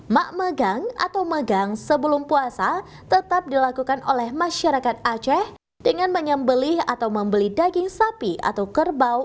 mak magang atau magang sebelum puasa tetap dilakukan oleh masyarakat aceh dengan menyembelih atau membeli daging sapi atau kerbau